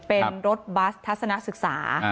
เป็นรถบัสทัศนศึกษา